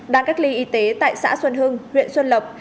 đang cách ly y tế tại xã xuân hưng huyện xuân lộc